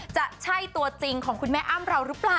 จะใช่ตัวจริงของคุณแม่อ้ำเราหรือเปล่า